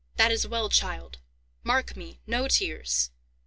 "That is well, child. Mark me, no tears.